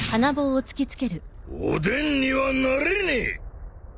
おでんにはなれねえ。